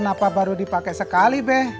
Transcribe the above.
kenapa baru dipake sekali be